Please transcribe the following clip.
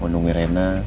mau nunggu reina